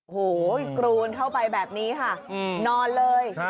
โอ้โหกรูนเข้าไปแบบนี้ค่ะนอนเลย